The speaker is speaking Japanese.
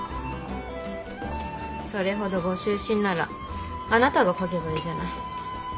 それほどご執心ならあなたが書けばいいじゃない。